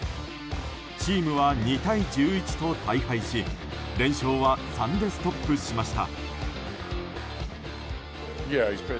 チームは２対１１と大敗し連勝は３でストップしました。